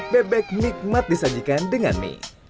bebek nikmat disajikan dengan mie